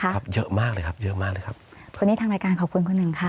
ครับเยอะมากเลยครับเยอะมากเลยครับวันนี้ทางรายการขอบคุณคุณหนึ่งค่ะ